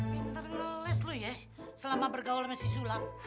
pinter ngeles lu ya selama bergaul sama si sulam